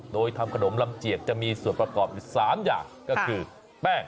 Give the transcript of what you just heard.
โดยทำขนมลำเจียกจะมีส่วนประกอบอยู่๓อย่างก็คือแป้ง